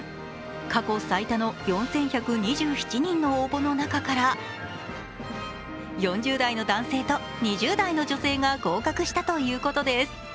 過去最多の４１２７人の応募の中から４０代の男性と２０代の女性が合格したということです。